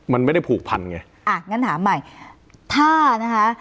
มันไม่ได้ผูกพันไงอ่ะงั้นถามใหม่ถ้านะคะ